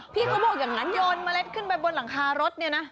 พี่เขาบอกอย่างนั้นโยนเมล็ดขึ้นไปบนหลังคารถเนี่ยนะ